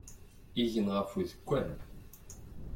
Igen ɣef udekkan.